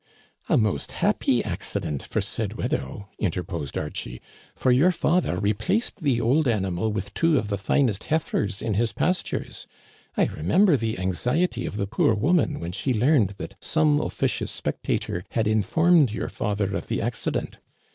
'* A most happy accident for said widow," interposed Archie, " for your father replaced the old animal with two of the finest heifers in his pastures. I remember the anxiety of the poor woman when she learned that some officious spectator had informed your father of the accident.